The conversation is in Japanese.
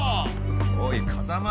おい風真！